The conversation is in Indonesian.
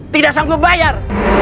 tidak sanggup bayar